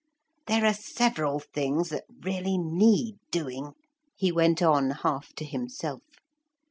There are several things that really need doing,' he went on half to himself.